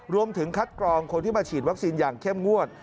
รวมถึงคัดกรองคนที่มาฉีดวัคซีนอย่างเข้มงวด